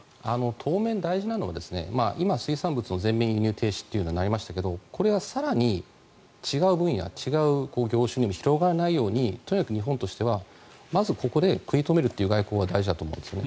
当面、大事なのは今、水産物の全面輸入停止となりましたがこれは更に違う分野違う業種にも広がらないようにとにかく日本としてはまずここで食い止めるという外交が大事だと思うんですね。